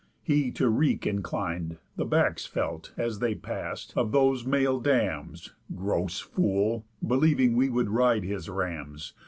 He, to wreak inclin'd, The backs felt, as they pass'd, of those male dams, Gross fool! believing, we would ride his rams!